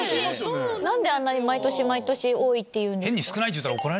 何であんなに毎年多いって言うんですか？